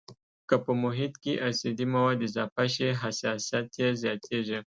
که په محیط کې اسیدي مواد اضافه شي حساسیت یې زیاتیږي.